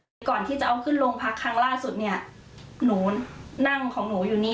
หันไปมองหนูก็ไม่มองเขาก็เลยตะโกนแบบนี้